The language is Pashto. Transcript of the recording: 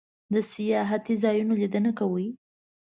د سیاحتی ځایونو لیدنه کوئ؟